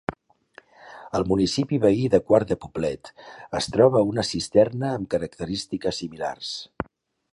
Al municipi veí de Quart de Poblet es troba una cisterna amb característiques similars.